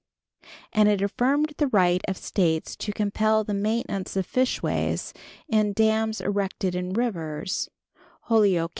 and it affirmed the right of States to compel the maintenance of fishways in dams erected in rivers (Holyoke Co.